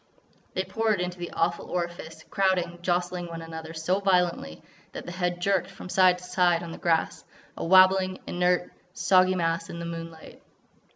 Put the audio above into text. They poured into the awful orifice, crowding, jostling one another so violently that the head jerked from side to side on the grass, a wabbling, inert, soggy mass in the moonlight.